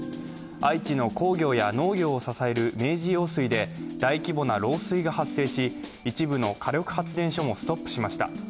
愛知の工業や農業を支える明治用水で大規模な漏水が発生し一部の火力発電所もストップしました。